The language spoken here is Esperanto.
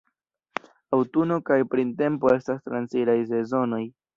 Aŭtuno kaj printempo estas transiraj sezonoj.